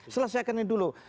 selesaikan ini dulu